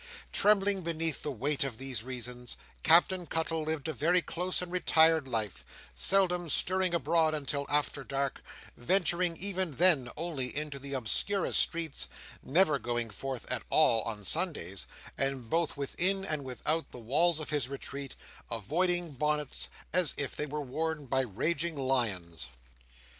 Trembling beneath the weight of these reasons, Captain Cuttle lived a very close and retired life; seldom stirring abroad until after dark; venturing even then only into the obscurest streets; never going forth at all on Sundays; and both within and without the walls of his retreat, avoiding bonnets, as if they were worn by raging lions.